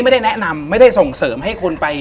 ไม่ได้แนะนำไม่ได้ส่งเสริมให้คนไป